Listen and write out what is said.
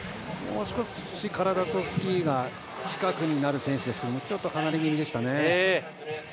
もう少し体とスキーが近くになる選手ですがちょっと離れ気味でしたね。